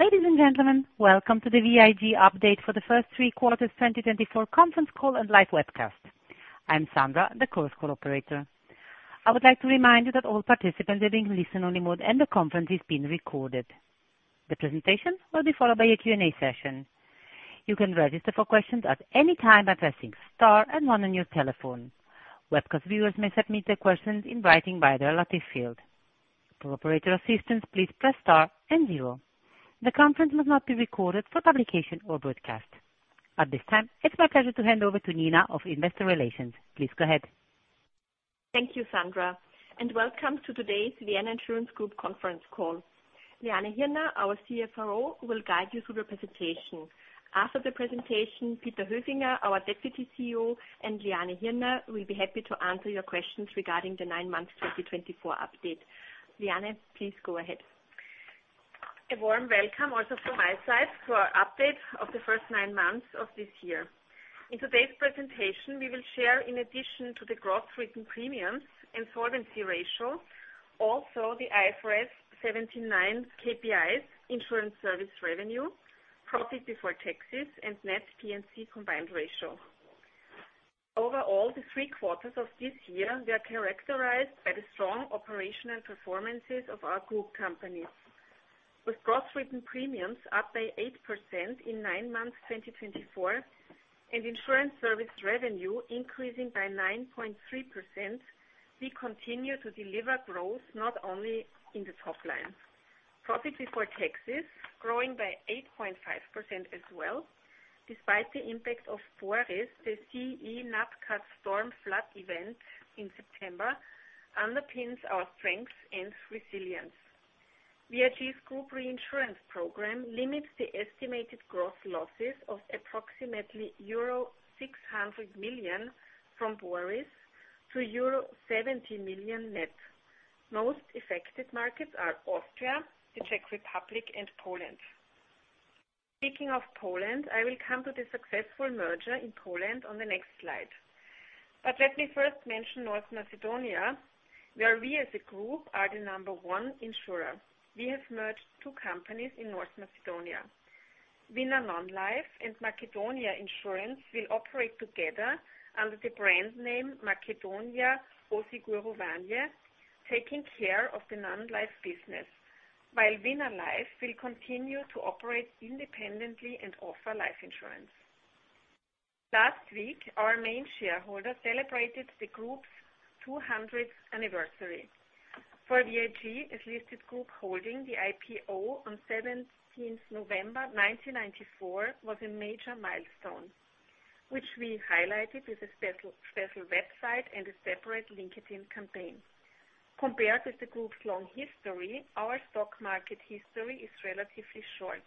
Ladies and gentlemen, welcome to the VIG Update for the First Three Quarters 2024 Conference Call and Live Webcast. I'm Sandra, the Chorus Call operator. I would like to remind you that all participants are in listen-only mode and the conference is being recorded. The presentation will be followed by a Q&A session. You can register for questions at any time by pressing star and one on your telephone. Webcast viewers may submit their questions in writing via their chat field. For operator assistance, please press star and zero. The conference will not be recorded for publication or broadcast. At this time, it's my pleasure to hand over to Nina of Investor Relations. Please go ahead. Thank you, Sandra, and welcome to today's Vienna Insurance Group Conference Call. Liane Hirner, our CFRO, will guide you through the presentation. After the presentation, Peter Höfinger, our Deputy CEO, and Liane Hirner will be happy to answer your questions regarding the nine months 2024 update. Liane, please go ahead. A warm welcome also from my side for our update of the first nine months of this year. In today's presentation, we will share, in addition to the gross written premiums and solvency ratio, also the IFRS 17 KPIs: insurance service revenue, profit before taxes, and net P&C combined ratio. Overall, the three quarters of this year were characterized by the strong operational performances of our group companies. With gross written premiums up by 8% in nine months 2024 and insurance service revenue increasing by 9.3%, we continue to deliver growth not only in the top line. Profit before taxes growing by 8.5% as well. Despite the impact of Storm Boris, the Central Europe NatCat storm flood event in September underpins our strengths and resilience. VIG's group reinsurance program limits the estimated gross losses of approximately euro 600 million from Storm Boris to euro 70 million net. Most affected markets are Austria, the Czech Republic, and Poland. Speaking of Poland, I will come to the successful merger in Poland on the next slide. But let me first mention North Macedonia, where we as a group are the number one insurer. We have merged two companies in North Macedonia. Winner Non-Life and Macedonia Insurance will operate together under the brand name Makedonija Osiguruvanje, taking care of the nonlife business, while Winner Life will continue to operate independently and offer life insurance. Last week, our main shareholder celebrated the group's 200th anniversary. For VIG, as listed group holding the IPO on 17th November 1994, was a major milestone, which we highlighted with a special website and a separate LinkedIn campaign. Compared with the group's long history, our stock market history is relatively short,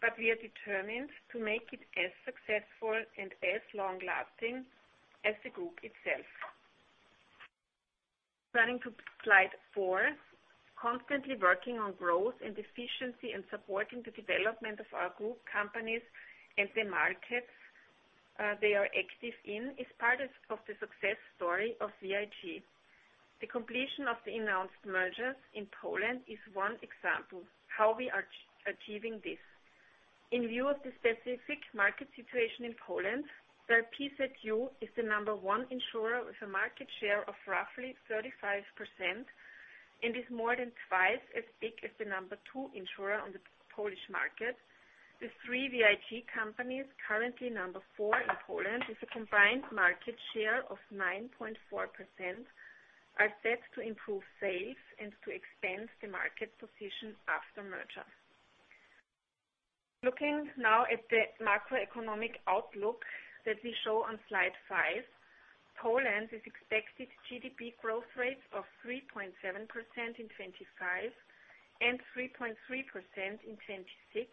but we are determined to make it as successful and as long-lasting as the group itself. Turning to slide four, constantly working on growth and efficiency and supporting the development of our group companies and the markets they are active in is part of the success story of VIG. The completion of the announced mergers in Poland is one example of how we are achieving this. In view of the specific market situation in Poland, where PZU is the number one insurer with a market share of roughly 35% and is more than twice as big as the number two insurer on the Polish market, the three VIG companies, currently number four in Poland with a combined market share of 9.4%, are set to improve sales and to expand the market position after merger. Looking now at the macroeconomic outlook that we show on slide five, Poland's expected GDP growth rates of 3.7% in 2025 and 3.3% in 2026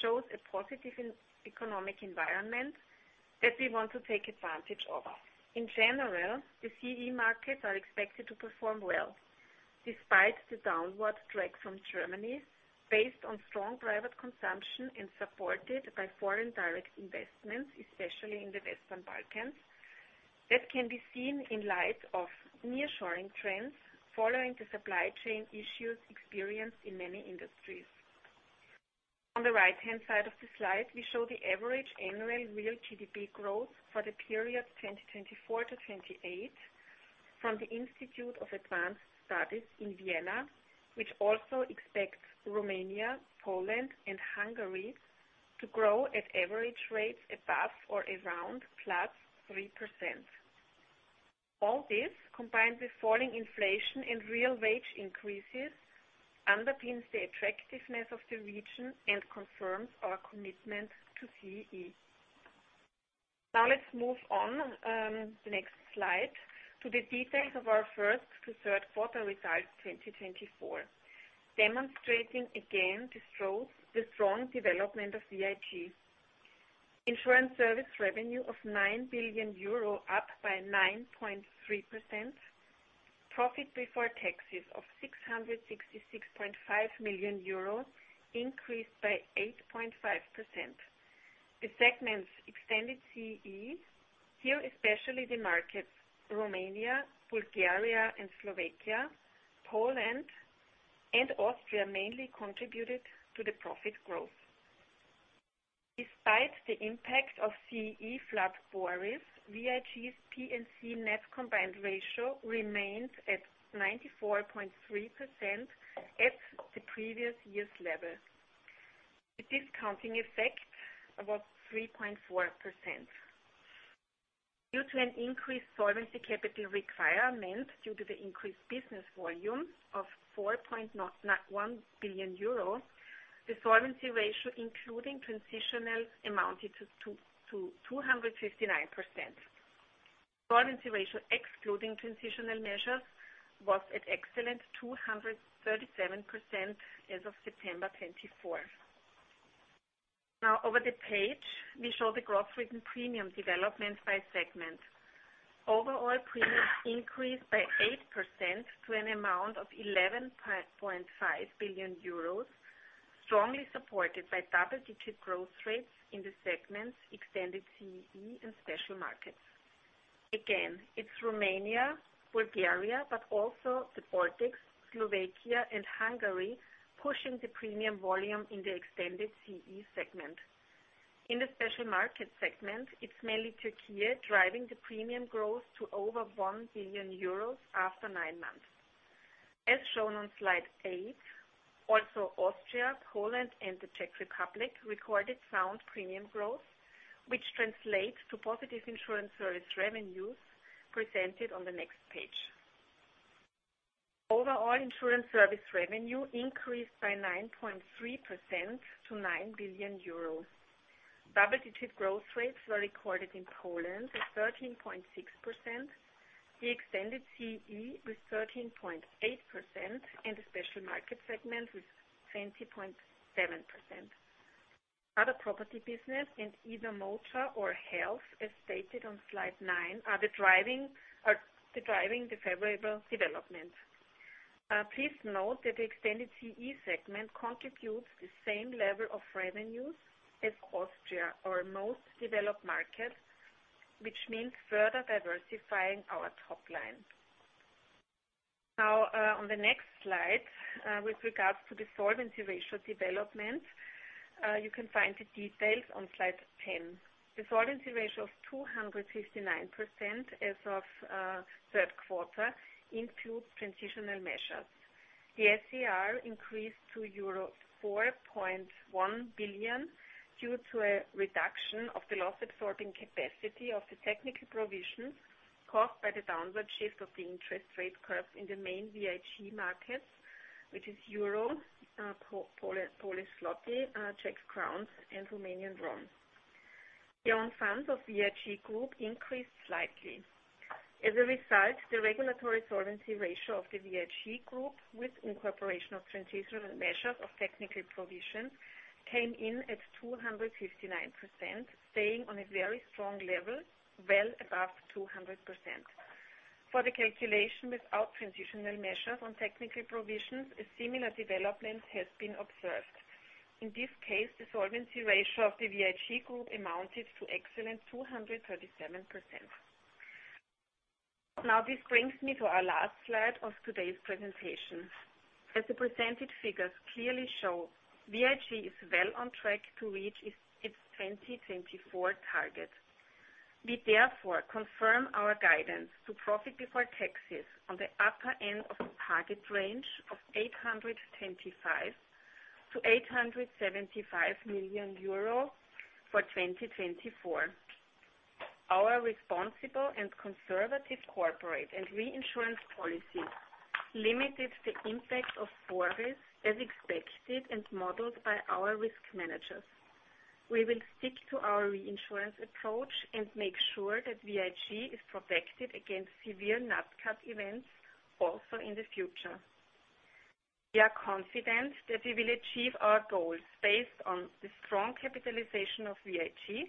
shows a positive economic environment that we want to take advantage of. In general, the CE markets are expected to perform well despite the downward drag from Germany, based on strong private consumption and supported by foreign direct investments, especially in the Western Balkans. That can be seen in light of nearshoring trends following the supply chain issues experienced in many industries. On the right-hand side of the slide, we show the average annual real GDP growth for the period 2024-2028 from the Institute for Advanced Studies in Vienna, which also expects Romania, Poland, and Hungary to grow at average rates above or around +3%. All this, combined with falling inflation and real wage increases, underpins the attractiveness of the region and confirms our commitment to CE. Now let's move on, the next slide, to the details of our first to third quarter results 2024, demonstrating again the strong development of VIG. Insurance service revenue of 9 billion euro, up by 9.3%. Profit before taxes of 666.5 million euros increased by 8.5%. The segments Extended CEE, here especially the markets Romania, Bulgaria, and Slovakia, Poland, and Austria mainly contributed to the profit growth. Despite the impact of CE flood losses, VIG's P&C net combined ratio remained at 94.3% at the previous year's level. The discounting effect was 3.4%. Due to an increased solvency capital requirement due to the increased business volume of 4.1 billion euro, the solvency ratio, including transitional, amounted to 259%. Solvency ratio excluding transitional measures was at excellent 237% as of September 2024. Now, over the page, we show the gross written premium development by segment. Overall, premiums increased by 8% to an amount of 11.5 billion euros, strongly supported by double-digit growth rates in the segments Extended CEE and Special Markets. Again, it's Romania, Bulgaria, but also the Baltics, Slovakia, and Hungary pushing the premium volume in the Extended CEE segment. In the Special Markets segment, it's mainly Türkiye driving the premium growth to over 1 billion euros after nine months. As shown on slide eight, also Austria, Poland, and the Czech Republic recorded sound premium growth, which translates to positive insurance service revenues presented on the next page. Overall, insurance service revenue increased by 9.3% to 9 billion euro. Double-digit growth rates were recorded in Poland at 13.6%, the Extended CEE with 13.8%, and the Special Markets segment with 20.7%. Other property business and either motor or health, as stated on slide nine, are driving the favorable development. Please note that the Extended CEE segment contributes the same level of revenues as Austria, our most developed market, which means further diversifying our top line. Now, on the next slide, with regards to the solvency ratio development, you can find the details on slide 10. The solvency ratio of 259% as of third quarter includes transitional measures. The SCR increased to euro 4.1 billion due to a reduction of the loss-absorbing capacity of the technical provisions caused by the downward shift of the interest rate curve in the main VIG markets, which is Euro, Polish Zloty, Czech crowns, and Romanian RON. The own funds of VIG Group increased slightly. As a result, the regulatory solvency ratio of the VIG Group with incorporation of transitional measures of technical provisions came in at 259%, staying on a very strong level, well above 200%. For the calculation without transitional measures on technical provisions, a similar development has been observed. In this case, the solvency ratio of the VIG Group amounted to excellent 237%. Now, this brings me to our last slide of today's presentation. As the presented figures clearly show, VIG is well on track to reach its 2024 target. We therefore confirm our guidance to profit before taxes on the upper end of the target range of 825-875 million euro for 2024. Our responsible and conservative corporate and reinsurance policies limited the impact of floods as expected and modeled by our risk managers. We will stick to our reinsurance approach and make sure that VIG is protected against severe NatCat events also in the future. We are confident that we will achieve our goals based on the strong capitalization of VIG,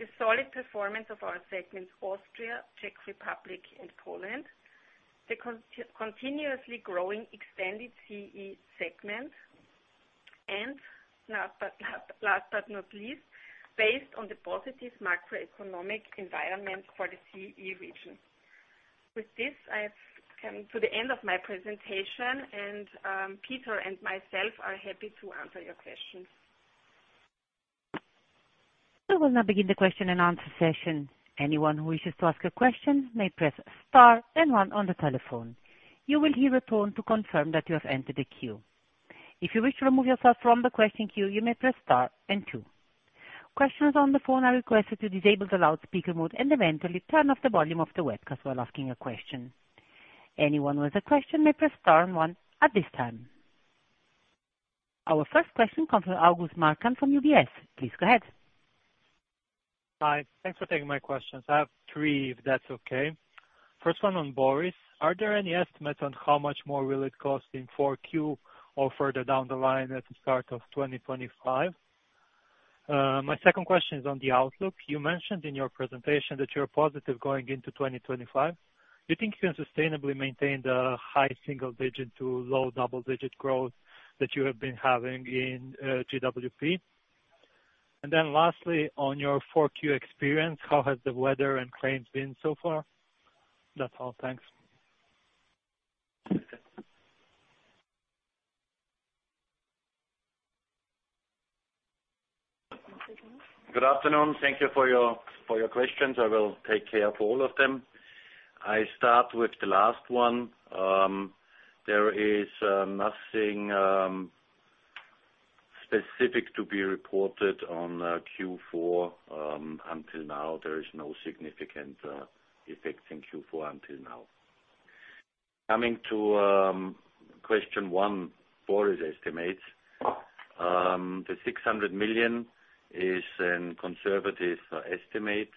the solid performance of our segments Austria, Czech Republic, and Poland, the continuously growing Extended CEE segment, and last but not least, based on the positive macroeconomic environment for the CE region. With this, I have come to the end of my presentation, and Peter and myself are happy to answer your questions. That will now begin the question-and-answer session. Anyone who wishes to ask a question may press star and one on the telephone. You will hear a tone to confirm that you have entered the queue. If you wish to remove yourself from the question queue, you may press star and two. Questioners on the phone are requested to disable the loudspeaker mode and eventually turn off the volume of the webcast while asking a question. Anyone with a question may press star and one at this time. Our first question comes from August Markham from UBS. Please go ahead. Hi. Thanks for taking my questions. I have three, if that's okay. First one on Boris. Are there any estimates on how much more will it cost in 4Q or further down the line at the start of 2025? My second question is on the outlook. You mentioned in your presentation that you're positive going into 2025. Do you think you can sustainably maintain the high single-digit to low double-digit growth that you have been having in GWP? And then lastly, on your 4Q experience, how has the weather and claims been so far? That's all. Thanks. Good afternoon. Thank you for your questions. I will take care of all of them. I start with the last one. There is nothing specific to be reported on Q4 until now. There is no significant effect in Q4 until now. Coming to question one, Boris estimates, the 600 million is a conservative estimate.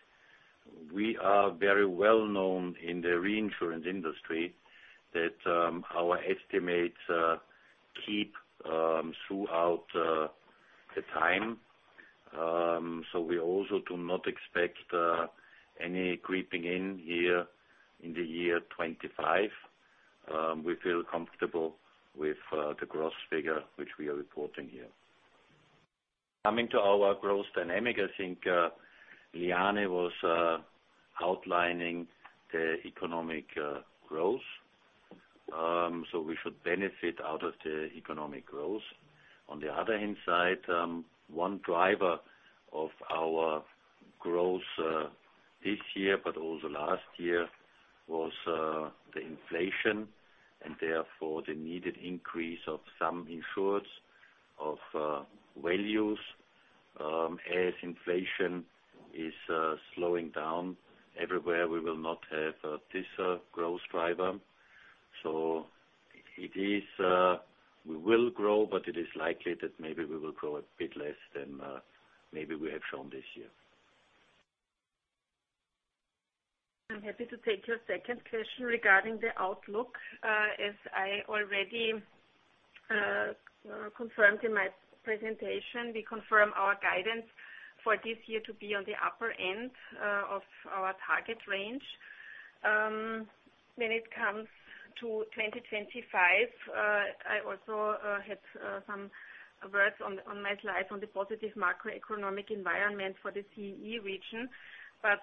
We are very well known in the reinsurance industry that our estimates keep throughout the time. So we also do not expect any creeping in here in the year 2025. We feel comfortable with the gross figure, which we are reporting here. Coming to our growth dynamic, I think Liane was outlining the economic growth. So we should benefit out of the economic growth. On the other hand side, one driver of our growth this year, but also last year, was the inflation and therefore the needed increase of some insured values. As inflation is slowing down everywhere, we will not have this growth driver. So we will grow, but it is likely that maybe we will grow a bit less than maybe we have shown this year. I'm happy to take your second question regarding the outlook. As I already confirmed in my presentation, we confirm our guidance for this year to be on the upper end of our target range. When it comes to 2025, I also had some words on my slide on the positive macroeconomic environment for the CE region. But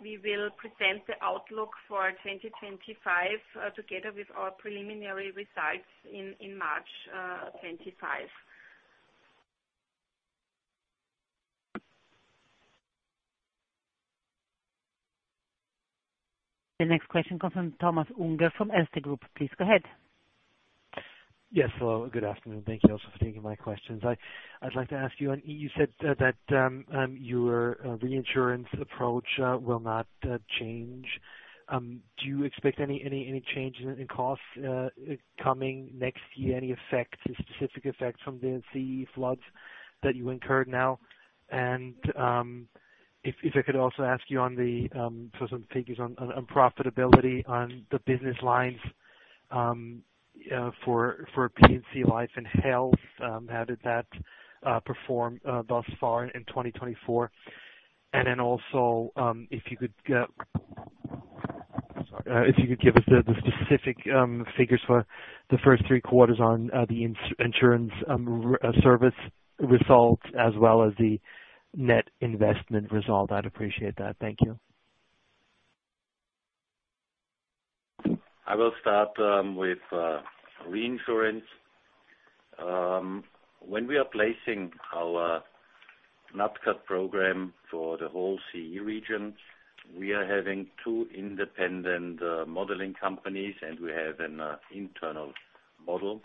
we will present the outlook for 2025 together with our preliminary results in March 2025. The next question comes from Thomas Unger from Erste Group. Please go ahead. Yes. Hello. Good afternoon. Thank you also for taking my questions. I'd like to ask you, you said that your reinsurance approach will not change. Do you expect any change in costs coming next year? Any specific effects from the CE floods that you incurred now? And if I could also ask you on the figures on profitability on the business lines for P&C Life and Health, how did that perform thus far in 2024? And then also if you could give us the specific figures for the first three quarters on the insurance service result as well as the net investment result. I'd appreciate that. Thank you. I will start with reinsurance. When we are placing our NatCat program for the whole CE region, we are having two independent modeling companies, and we have an internal model.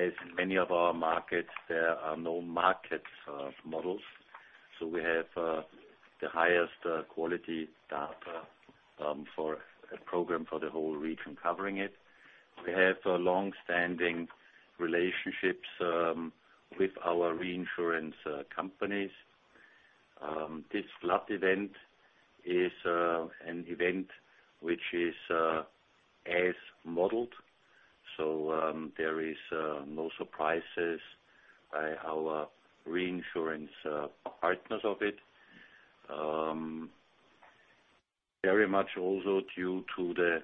As many of our markets, there are no market models. So we have the highest quality data for a program for the whole region covering it. We have long-standing relationships with our reinsurance companies. This flood event is an event which is as modeled. So there is no surprises by our reinsurance partners of it. Very much also due to the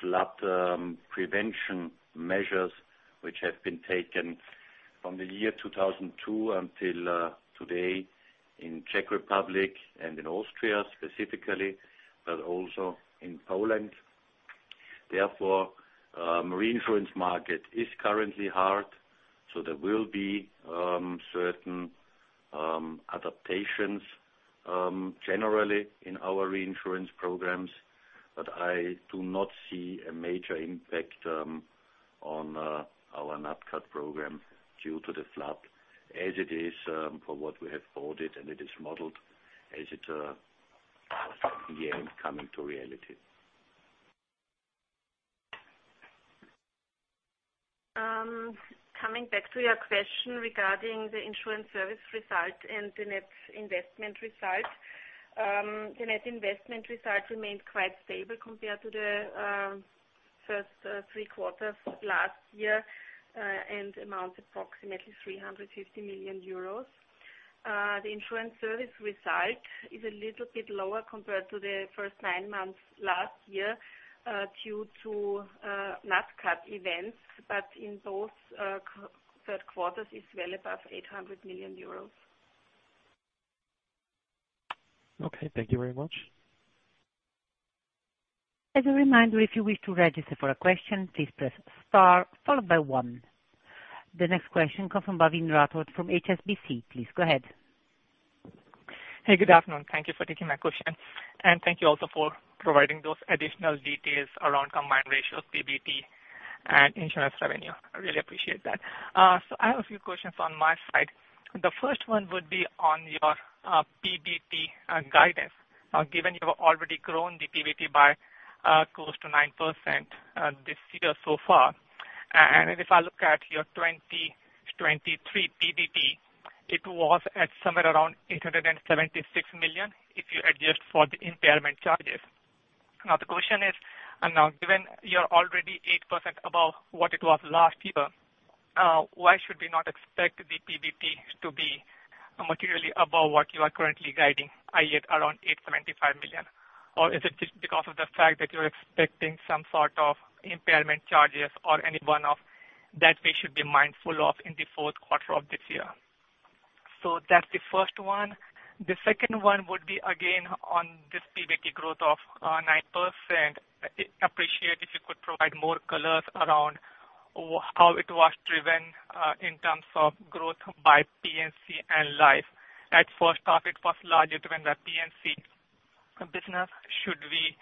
flood prevention measures which have been taken from the year 2002 until today in Czech Republic and in Austria specifically, but also in Poland. Therefore, the reinsurance market is currently hard. So, there will be certain adaptations generally in our reinsurance programs, but I do not see a major impact on our NatCat program due to the flood as it is for what we have budgeted and it is modeled as it is coming to reality. Coming back to your question regarding the insurance service result and the net investment result, the net investment result remained quite stable compared to the first three quarters last year and amounted approximately 350 million euros. The insurance service result is a little bit lower compared to the first nine months last year due to NatCat events, but in both third quarters it's well above 800 million euros. Okay. Thank you very much. As a reminder, if you wish to register for a question, please press star followed by one. The next question comes from Bhavin Rathod from HSBC. Please go ahead. Hey, good afternoon. Thank you for taking my question. And thank you also for providing those additional details around combined ratios, PBT, and insurance revenue. I really appreciate that. So I have a few questions on my side. The first one would be on your PBT guidance. Now, given you have already grown the PBT by close to 9% this year so far, and if I look at your 2023 PBT, it was at somewhere around 876 million if you adjust for the impairment charges. Now, the question is, now given you're already 8% above what it was last year, why should we not expect the PBT to be materially above what you are currently guiding, i.e., at around 875 million? Or is it just because of the fact that you're expecting some sort of impairment charges or any one of that we should be mindful of in the fourth quarter of this year? So that's the first one. The second one would be again on this PBT growth of 9%. Appreciate if you could provide more colors around how it was driven in terms of growth by P&C and Life. At first off, it was largely driven by P&C business. Should we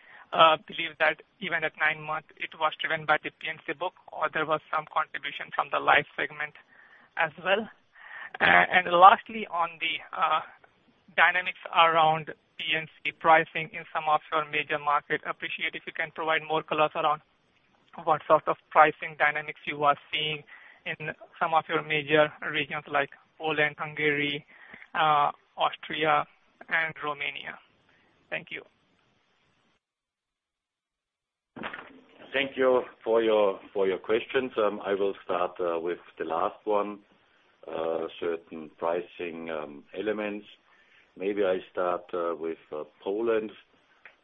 believe that even at nine months it was driven by the P&C book, or there was some contribution from the Life segment as well? And lastly, on the dynamics around P&C pricing in some of your major markets, appreciate if you can provide more colors around what sort of pricing dynamics you were seeing in some of your major regions like Poland, Hungary, Austria, and Romania. Thank you. Thank you for your questions. I will start with the last one. Certain pricing elements. Maybe I start with Poland.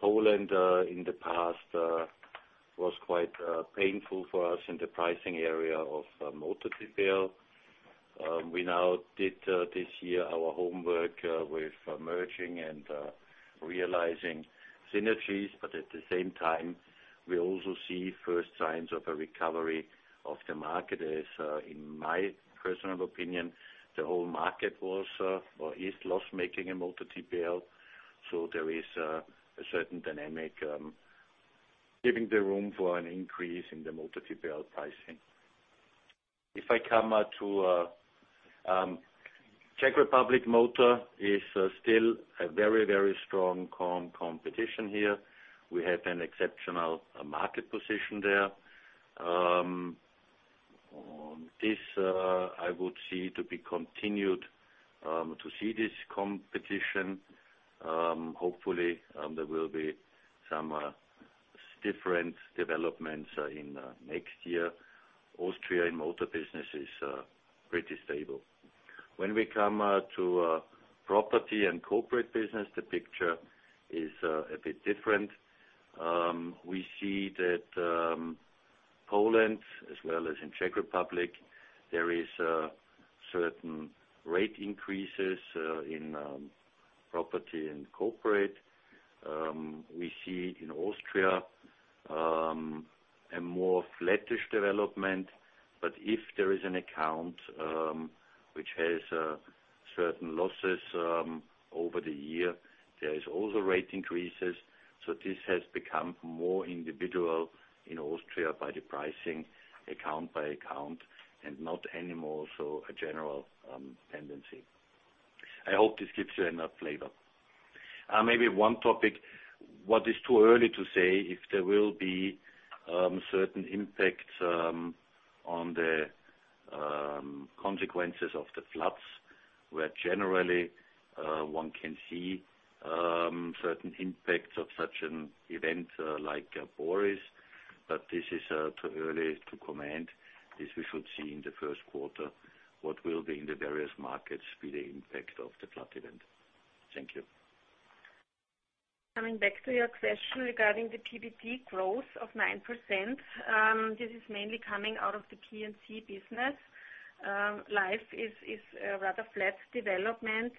Poland in the past was quite painful for us in the pricing area of motor repair. We now did this year our homework with merging and realizing synergies, but at the same time, we also see first signs of a recovery of the market. In my personal opinion, the whole market is loss-making in motor repair. So there is a certain dynamic giving the room for an increase in the motor repair pricing. If I come to Czech Republic, motor is still a very, very strong competition here. We have an exceptional market position there. This I would see to be continued to see this competition. Hopefully, there will be some different developments in next year. Austria in motor business is pretty stable. When we come to property and corporate business, the picture is a bit different. We see that Poland, as well as in Czech Republic, there are certain rate increases in property and corporate. We see in Austria a more flattish development, but if there is an account which has certain losses over the year, there are also rate increases, so this has become more individual in Austria by the pricing account by account and not anymore so a general tendency. I hope this gives you enough flavor. Maybe one topic. It is too early to say if there will be certain impacts on the consequences of the floods, where generally one can see certain impacts of such an event like Boris, but this is too early to comment. This we should see in the first quarter what will be in the various markets with the impact of the flood event. Thank you. Coming back to your question regarding the PBT growth of 9%, this is mainly coming out of the P&C business. Life is a rather flat development.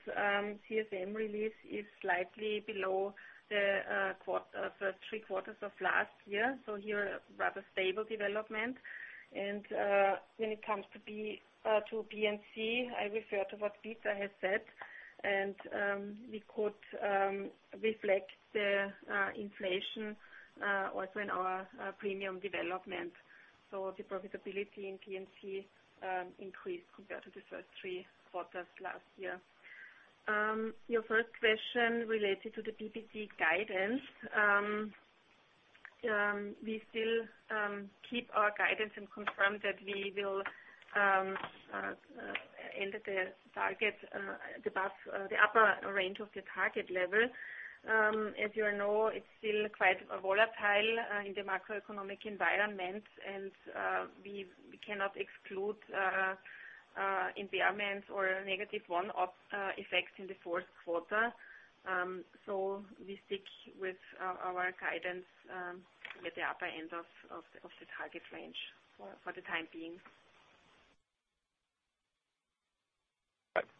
CSM release is slightly below the first three quarters of last year. So here, rather stable development. And when it comes to P&C, I refer to what Peter has said, and we could reflect the inflation also in our premium development. So the profitability in P&C increased compared to the first three quarters last year. Your first question related to the PBT guidance. We still keep our guidance and confirm that we will end the target above the upper range of the target level. As you know, it's still quite volatile in the macroeconomic environment, and we cannot exclude impairments or negative one-off effects in the fourth quarter. So we stick with our guidance with the upper end of the target range for the time being.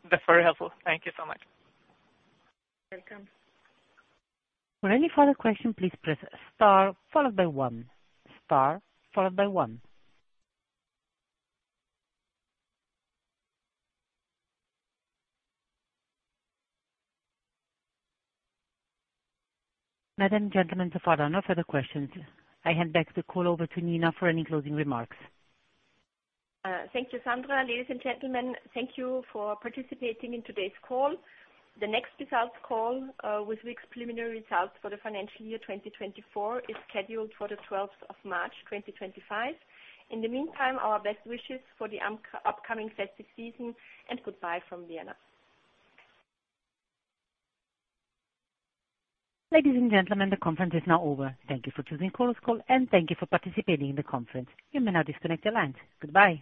That's very helpful. Thank you so much. Welcome. For any further question, please press star followed by one. Star followed by one. Ladies and gentlemen, so far, there are no further questions. I hand the call back over to Nina for any closing remarks. Thank you, Sandra. Ladies and gentlemen, thank you for participating in today's call. The next results call, which will present preliminary results for the financial year 2024, is scheduled for the 12th of March 2025. In the meantime, our best wishes for the upcoming festive season and goodbye from Vienna. Ladies and gentlemen, the conference is now over. Thank you for choosing Chorus Call, and thank you for participating in the conference. You may now disconnect your lines. Goodbye.